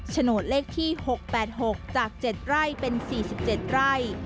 โฉนดเลขที่๖๘๖จาก๗ไร่เป็น๔๗ไร่